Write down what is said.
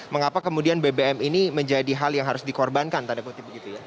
mengapa kemudian bbm ini menjadi hal yang harus dikorbankan tanda kutip begitu ya